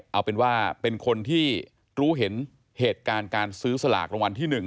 เอาเป็นว่าเป็นคนที่รู้เห็นเหตุการณ์การซื้อสลากรางวัลที่๑